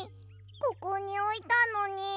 ここにおいたのに。